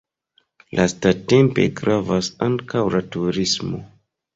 Lastatempe gravas ankaŭ la turismo.